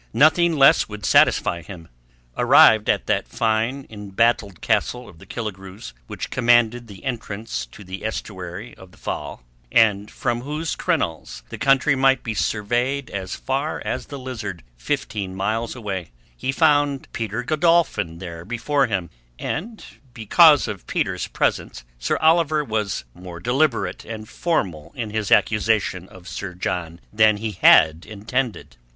Nothing less would satisfy him. Arrived at that fine embattled castle of the Killigrews which commanded the entrance to the estuary of the Fal, and from whose crenels the country might be surveyed as far as the Lizard, fifteen miles away, he found Peter Godolphin there before him; and because of Peter's presence Sir Oliver was more deliberate and formal in his accusation of Sir John than he had intended.